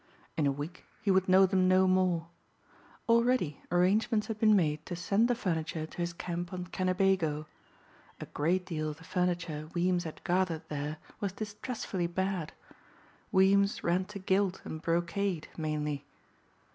In a week he would know them no more. Already arrangements had been made to send the furniture to his camp on Kennebago. A great deal of the furniture Weems had gathered there was distressfully bad. Weems ran to gilt and brocade mainly.